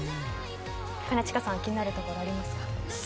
兼近さん気になるところありますか。